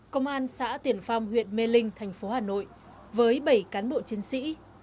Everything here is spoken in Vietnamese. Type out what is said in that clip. công an xã tiền phong huyện mê linh thành phố hà nội với bảy cán bộ chiến sĩ